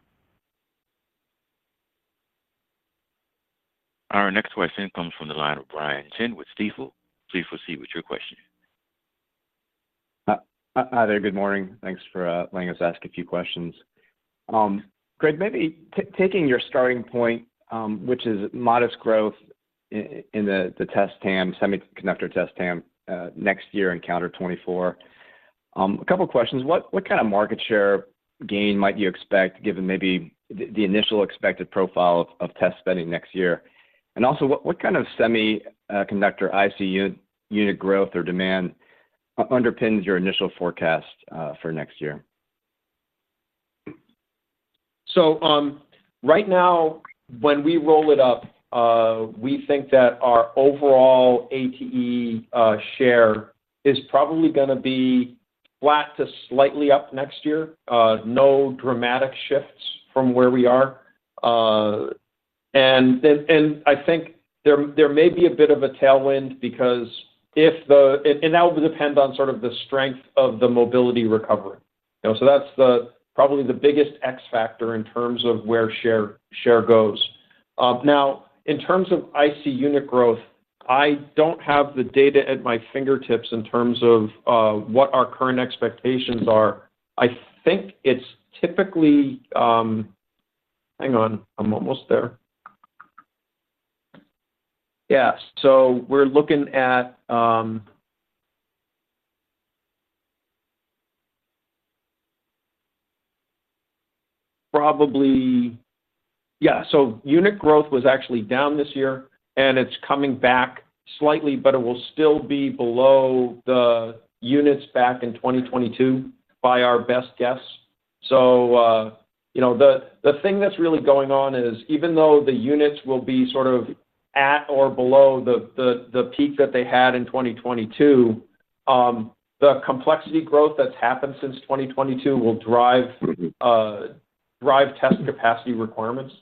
Our next question comes from the line of Brian Chin with Stifel. Please proceed with your question. Hi there. Good morning. Thanks for letting us ask a few questions. Greg, maybe taking your starting point, which is modest growth in the test TAM, semiconductor test TAM, next year in calendar 2024. A couple of questions: What kind of market share gain might you expect, given maybe the initial expected profile of test spending next year? And also, what kind of semiconductor IC unit growth or demand underpins your initial forecast for next year? So, right now, when we roll it up, we think that our overall ATE share is probably going to be flat to slightly up next year. No dramatic shifts from where we are. And then, and I think there, there may be a bit of a tailwind because if the, and that will depend on sort of the strength of the mobility recovery. You know, so that's the, probably the biggest X factor in terms of where share, share goes. Now, in terms of IC unit growth, I don't have the data at my fingertips in terms of, what our current expectations are. I think it's typically. Hang on, I'm almost there. Yeah, so unit growth was actually down this year, and it's coming back slightly, but it will still be below the units back in 2022 by our best guess. So, you know, the thing that's really going on is, even though the units will be sort of at or below the peak that they had in 2022, the complexity growth that's happened since 2022 will drive drive test capacity requirements.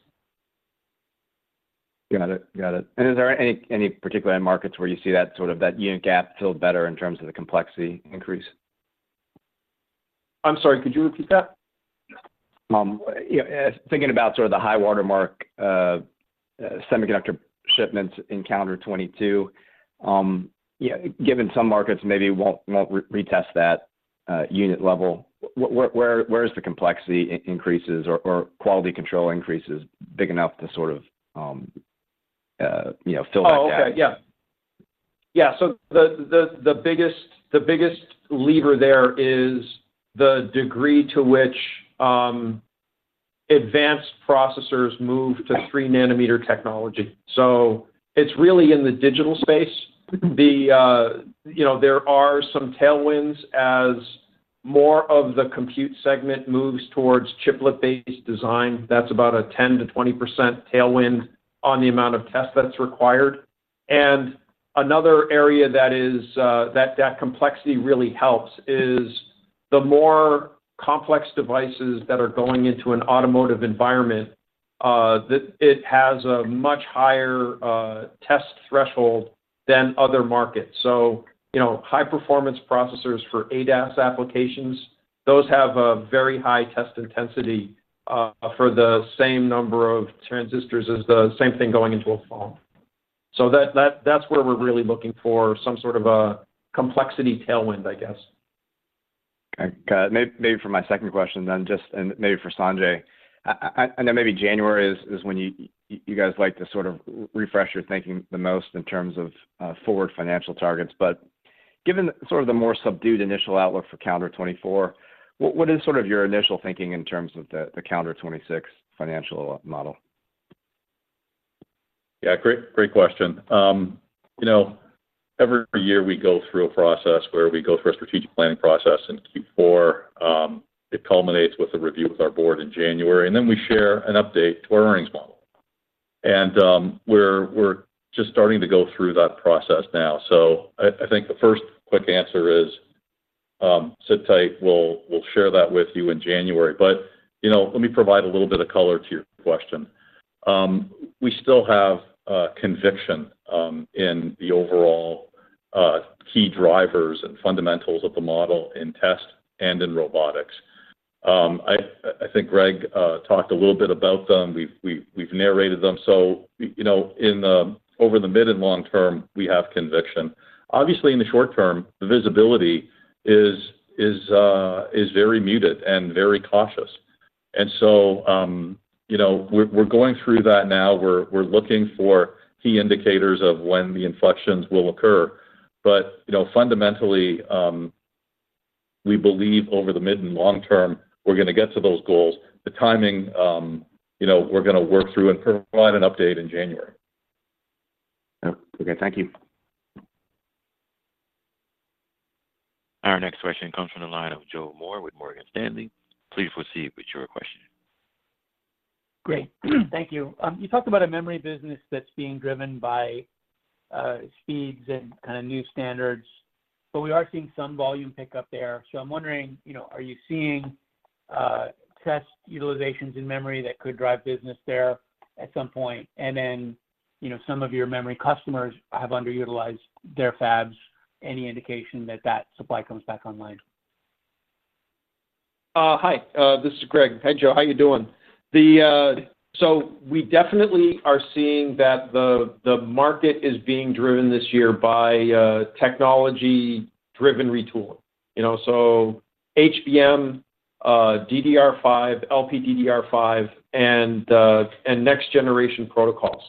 Got it. Got it. And is there any, any particular markets where you see that sort of, that unit gap filled better in terms of the complexity increase? I'm sorry, could you repeat that? Yeah, thinking about sort of the high watermark, semiconductor shipments in calendar 2022. Yeah, given some markets maybe won't retest that unit level, where is the complexity increases or quality control increases big enough to sort of, you know, fill that gap? Oh, okay. Yeah. Yeah, so the biggest lever there is the degree to which advanced processors move to 3-nanometer technology. So it's really in the digital space. You know, there are some tailwinds as more of the compute segment moves towards chiplet-based design. That's about a 10%-20% tailwind on the amount of test that's required. And another area that complexity really helps is the more complex devices that are going into an automotive environment, it has a much higher test threshold than other markets. So, you know, high-performance processors for ADAS applications, those have a very high test intensity for the same number of transistors as the same thing going into a phone. So that's where we're really looking for some sort of a complexity tailwind, I guess. Okay. Maybe for my second question then, just, and maybe for Sanjay. I know maybe January is when you guys like to sort of refresh your thinking the most in terms of forward financial targets. But given sort of the more subdued initial outlook for calendar 2024, what is sort of your initial thinking in terms of the calendar 2026 financial model? Yeah, great, great question. You know, every year we go through a process where we go through a strategic planning process in Q4, it culminates with a review with our board in January, and then we share an update to our earnings model. And, we're just starting to go through that process now. So I think the first quick answer is, sit tight, we'll share that with you in January. But, you know, let me provide a little bit of color to your question. We still have conviction in the overall key drivers and fundamentals of the model in test and in robotics. I think Greg talked a little bit about them. We've narrated them. So, you know, over the mid and long term, we have conviction. Obviously, in the short term, the visibility is very muted and very cautious. And so, you know, we're going through that now. We're looking for key indicators of when the inflections will occur. But, you know, fundamentally, we believe over the mid and long term, we're going to get to those goals. The timing, you know, we're going to work through and provide an update in January. Okay. Thank you. Our next question comes from the line of Joe Moore with Morgan Stanley. Please proceed with your question. Great. Thank you. You talked about a memory business that's being driven by, speeds and kind of new standards, but we are seeing some volume pickup there. So I'm wondering, you know, are you seeing, test utilizations in memory that could drive business there at some point? And then, you know, some of your memory customers have underutilized their fabs. Any indication that that supply comes back online? Hi, this is Greg. Hey, Joe, how you doing? So we definitely are seeing that the market is being driven this year by technology-driven retooling. You know, so HBM, DDR5, LPDDR5, and next generation protocols.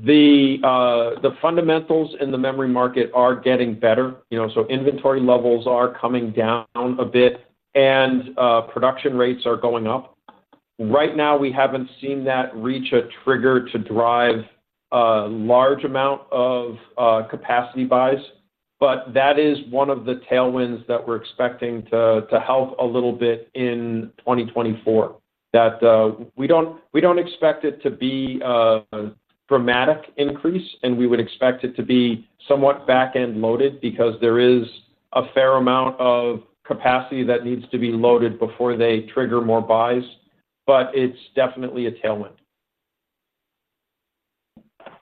The fundamentals in the memory market are getting better, you know, so inventory levels are coming down a bit, and production rates are going up. Right now, we haven't seen that reach a trigger to drive a large amount of capacity buys, but that is one of the tailwinds that we're expecting to help a little bit in 2024. That, we don't expect it to be a dramatic increase, and we would expect it to be somewhat back-end loaded because there is a fair amount of capacity that needs to be loaded before they trigger more buys, but it's definitely a tailwind.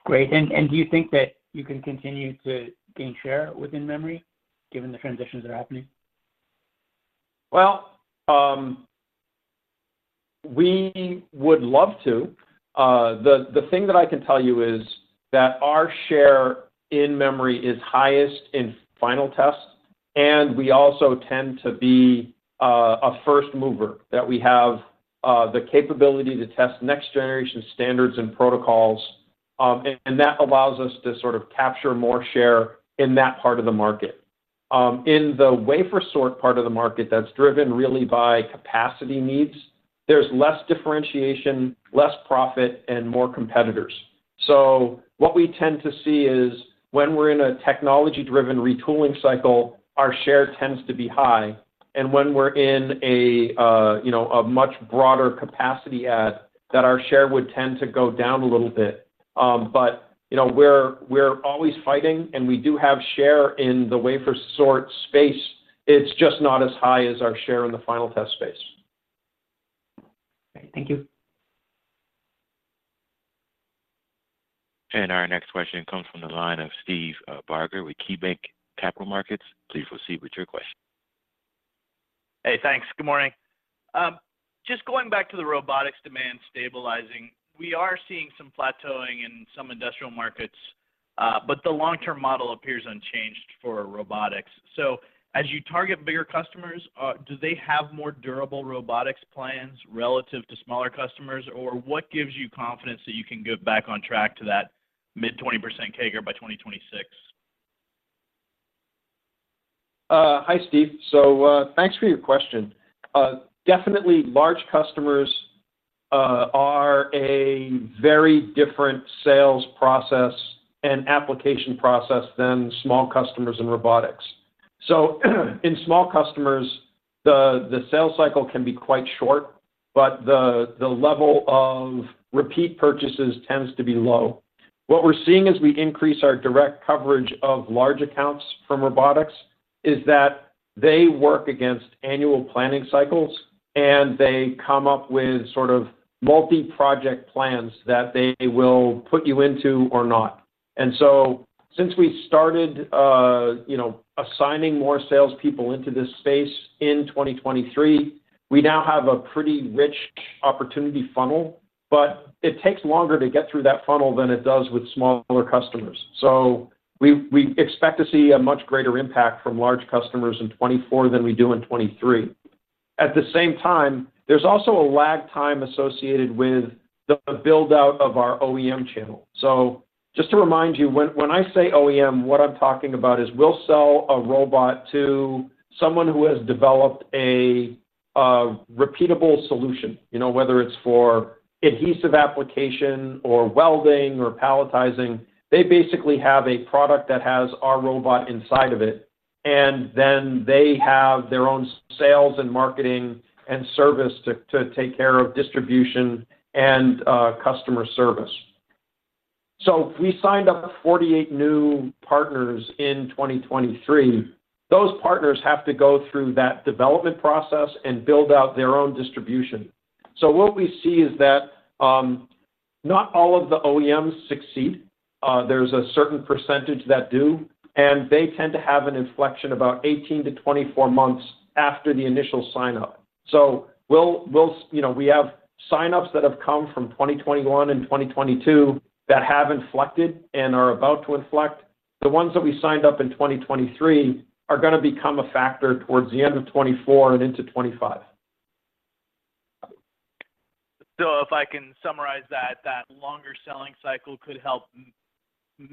Great. And, do you think that you can continue to gain share within memory given the transitions that are happening? Well, we would love to. The thing that I can tell you is that our share in memory is highest in final test, and we also tend to be a first mover, that we have the capability to test next-generation standards and protocols. And that allows us to sort of capture more share in that part of the market. In the wafer sort part of the market, that's driven really by capacity needs, there's less differentiation, less profit, and more competitors. So, what we tend to see is when we're in a technology-driven retooling cycle, our share tends to be high, and when we're in a you know, a much broader capacity add, that our share would tend to go down a little bit. You know, we're always fighting, and we do have share in the wafer sort space. It's just not as high as our share in the final test space. Great. Thank you. Our next question comes from the line of Steve Barger with KeyBanc Capital Markets. Please proceed with your question. Hey, thanks. Good morning. Just going back to the robotics demand stabilizing, we are seeing some plateauing in some industrial markets, but the long-term model appears unchanged for robotics. So as you target bigger customers, do they have more durable robotics plans relative to smaller customers? Or what gives you confidence that you can get back on track to that mid-20% CAGR by 2026? Hi, Steve. So, thanks for your question. Definitely large customers are a very different sales process and application process than small customers in robotics. So, in small customers, the sales cycle can be quite short, but the level of repeat purchases tends to be low. What we're seeing as we increase our direct coverage of large accounts from robotics is that they work against annual planning cycles, and they come up with sort of multi-project plans that they will put you into or not. And so since we started, you know, assigning more salespeople into this space in 2023, we now have a pretty rich opportunity funnel, but it takes longer to get through that funnel than it does with smaller customers. So we expect to see a much greater impact from large customers in 2024 than we do in 2023. At the same time, there's also a lag time associated with the build-out of our OEM channel. So just to remind you, when I say OEM, what I'm talking about is we'll sell a robot to someone who has developed a repeatable solution. You know, whether it's for adhesive application, or welding, or palletizing, they basically have a product that has our robot inside of it, and then they have their own sales and marketing and service to take care of distribution and customer service. So, we signed up 48 new partners in 2023. Those partners have to go through that development process and build out their own distribution. So, what we see is that not all of the OEMs succeed. There's a certain percentage that do, and they tend to have an inflection about 18-24 months after the initial sign-up. So we'll, you know, we have sign-ups that have come from 2021 and 2022 that have inflected and are about to inflect. The ones that we signed up in 2023 are gonna become a factor towards the end of 2024 and into 2025. If I can summarize that, that longer selling cycle could help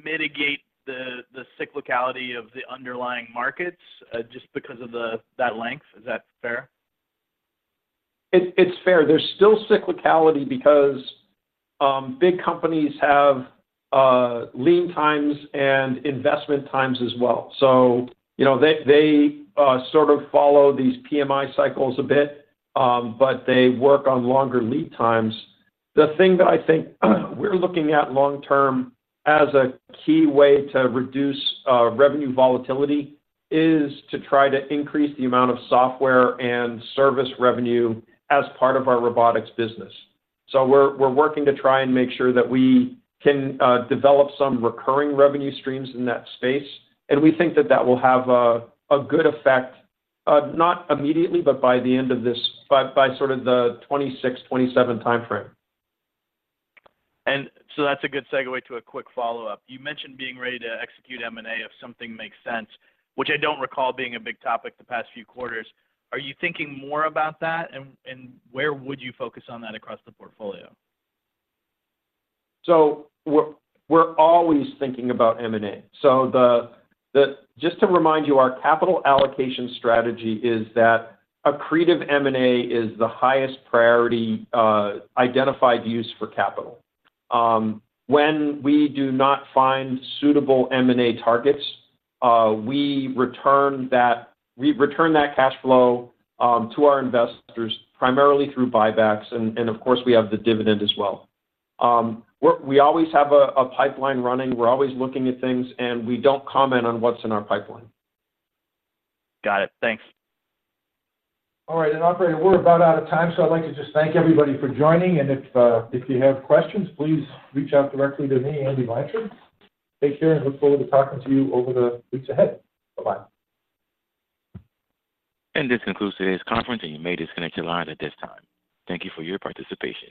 mitigate the cyclicality of the underlying markets, just because of that length. Is that fair? It's fair. There's still cyclicality because big companies have lean times and investment times as well. So you know, they sort of follow these PMI cycles a bit, but they work on longer lead times. The thing that I think we're looking at long term as a key way to reduce revenue volatility is to try to increase the amount of software and service revenue as part of our robotics business. So we're working to try and make sure that we can develop some recurring revenue streams in that space, and we think that that will have a good effect, not immediately, but by the end of this by sort of the 2026-2027 timeframe. That's a good segue to a quick follow-up. You mentioned being ready to execute M&A if something makes sense, which I don't recall being a big topic the past few quarters. Are you thinking more about that, and where would you focus on that across the portfolio? So we're always thinking about M&A. Just to remind you, our capital allocation strategy is that accretive M&A is the highest priority identified use for capital. When we do not find suitable M&A targets, we return that cash flow to our investors, primarily through buybacks, and of course, we have the dividend as well. We always have a pipeline running. We're always looking at things, and we don't comment on what's in our pipeline. Got it. Thanks. All right. And operator, we're about out of time, so I'd like to just thank everybody for joining, and if you have questions, please reach out directly to me, Andy Blanchard. Take care, and look forward to talking to you over the weeks ahead. Bye-bye. This concludes today's conference, and you may disconnect your lines at this time. Thank you for your participation.